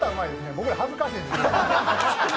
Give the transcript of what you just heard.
僕ら、恥ずかしいですよ。